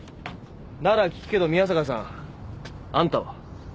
なら聞くけど宮坂さんあんたは？